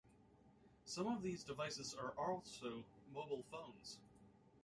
Some of these devices are also mobile phones.